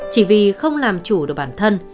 chỉ vì không làm chủ được bản thân